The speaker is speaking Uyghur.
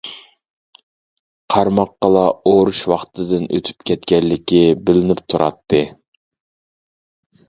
قارىماققىلا ئورۇش ۋاقتىدىن ئۆتۈپ كەتكەنلىكى بىلىنىپ تۇراتتى.